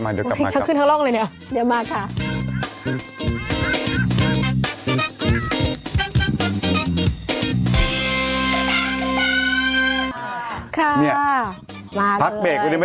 ทำกินทั้งล่องเลยแล้ว